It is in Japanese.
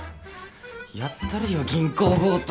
やったるよ銀行強盗。